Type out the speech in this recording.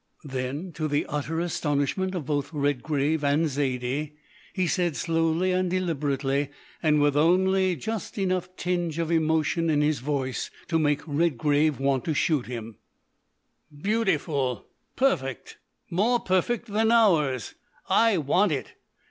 Then, to the utter astonishment of both Redgrave and Zaidie, he said slowly and deliberately, and with only just enough tinge of emotion in his voice to make Redgrave want to shoot him: "Beautiful. Perfect. More perfect than ours. I want it.